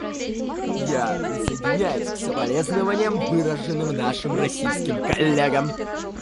Я присоединяюсь к соболезнованиям, выраженным нашим российским коллегам.